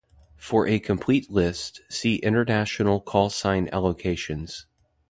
For a complete list, see international call sign allocations.